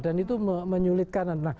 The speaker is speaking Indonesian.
dan itu menyulitkan